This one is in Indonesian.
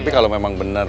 tapi kalau memang bener